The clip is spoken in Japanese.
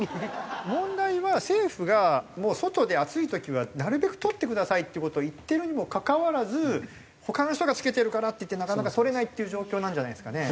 問題は政府がもう外で暑い時はなるべく取ってくださいっていう事を言ってるにもかかわらず他の人が着けてるからっていってなかなか取れないっていう状況なんじゃないんですかね。